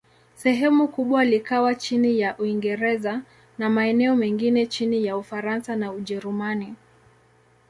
Sehemu kubwa likawa chini ya Uingereza, na maeneo mengine chini ya Ufaransa na Ujerumani.